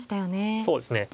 そうですね。